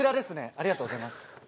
ありがとうございます。